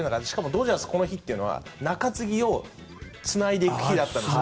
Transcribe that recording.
ドジャースは中継ぎをつないでいく日だったんです。